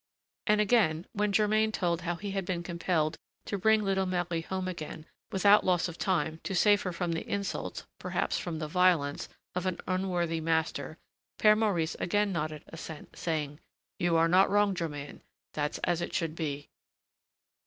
And again, when Germain told how he had been compelled to bring little Marie home again without loss of time to save her from the insults, perhaps from the violence, of an unworthy master, Père Maurice again nodded assent, saying: "You are not wrong, Germain; that's as it should be."